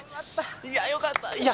いやよかったいや